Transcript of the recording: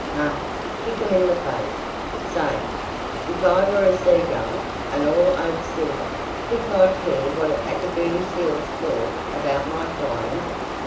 "Huh? Kick 'em in the face! Say, if I were a sea gull, and all over silver, think I'd care what a pack of dirty seals thought about my flying?"